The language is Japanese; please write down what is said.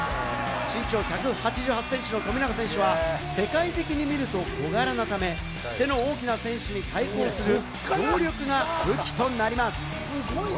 身長１８８ｃｍの富永選手は世界的に見ると小柄なため、背の大きな選手に対抗する強力な武器となります。